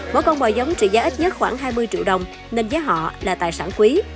mỗi con bò giống trị giá ít nhất khoảng hai mươi triệu đồng nên giá họ là tài sản quý